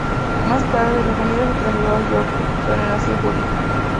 Más tarde, la familia se trasladó a York, donde nació Judith.